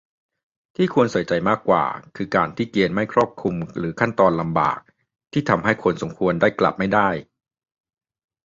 ที่ควรใส่ใจมากกว่า คือการที่เกณฑ์ไม่ครอบคลุมหรือขั้นตอนลำบาก ที่ทำให้คนสมควรได้กลับไม่ได้